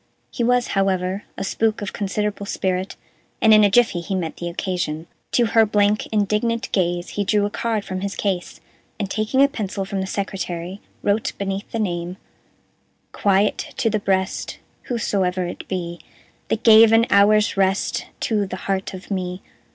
He was, however, a spook of considerable spirit, and in a jiffy he met the occasion. To her blank, indignant gaze he drew a card from his case, and, taking a pencil from the secretary, wrote, beneath the name: Quiet to the breast Wheresoe'er it be, That gave an hour's rest To the heart of me.